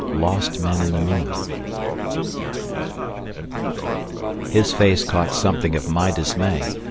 X. Lost Men in the Moon His face caught something of my dismay.